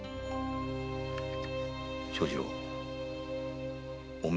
長次郎お前